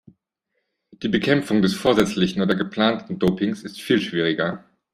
Die Bekämpfung des vorsätzlichen oder geplanten Dopings ist viel schwieriger.